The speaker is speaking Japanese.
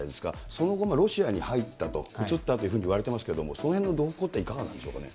その後、ロシアに入ったと、移ったというふうにいわれていますけれども、そのへんの動向っていかがなんでしょうかね。